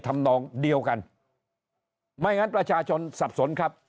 ไม่งั้นประชาชนสับสนครับ